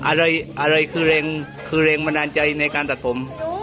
อะไรคือเรงบันดาลใจในการตัดผม